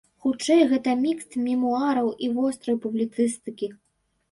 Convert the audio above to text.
Хутчэй, гэта мікст мемуараў і вострай публіцыстыкі.